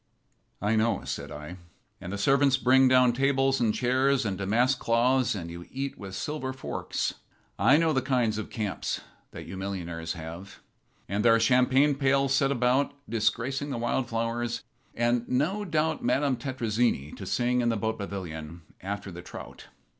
"I know," said I. "And the servants bring down tables and chairs and damask cloths, and you eat with silver forks. I know the kind of camps that you millionaires have. And there are champagne pails set about, disgracing the wild flowers, and, no doubt, Madame Tetrazzini to sing in the boat pavilion after the trout."